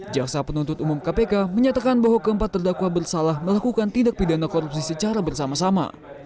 jaksa penuntut umum kpk menyatakan bahwa keempat terdakwa bersalah melakukan tindak pidana korupsi secara bersama sama